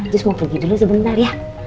terus mau pergi dulu sebentar ya